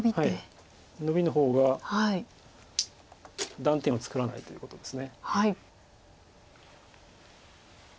ノビの方が断点を作らないということです。